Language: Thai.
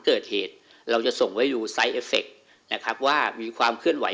เกิดเหตุเราจะส่งไว้ดูไซส์เอฟเคนะครับว่ามีความเคลื่อนไหว